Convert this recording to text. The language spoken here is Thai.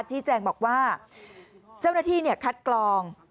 ชี้แจงบอกว่าเจ้าหน้าที่คัดกรอง